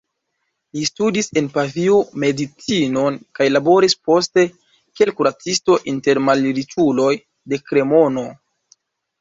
Li studis en Pavio medicinon kaj laboris poste kiel kuracisto inter malriĉuloj de Kremono.